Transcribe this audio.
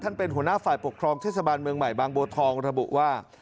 เป็นหัวหน้าฝ่ายปกครองเทศบาลเมืองใหม่บางบัวทองระบุว่า